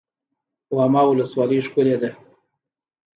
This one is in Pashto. واما ولسوالۍ ښکلې ده؟